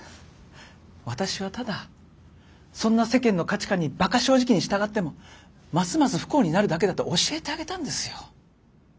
私はただそんな世間の価値観にバカ正直に従ってもますます不幸になるだけだと教えてあげたんですよ。